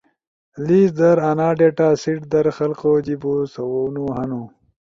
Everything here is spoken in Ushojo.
لیس در آنا ڈیٹا سیٹ در خلکو جیبو سوونو ہنُو۔